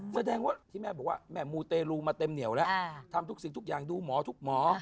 แสดงว่าที่แม่บอกว่าแม่มูเตรลูมาเต็มเหนียวแล้วทำทุกสิ่งทุกอย่างดูหมอทุกหมอ